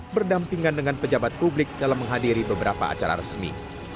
berdampingan dengan pejabat publik dalam menghadiri beberapa acara resmi